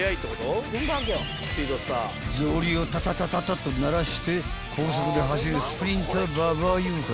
［草履をタタタタタと鳴らして高速で走るスプリンターババア妖怪］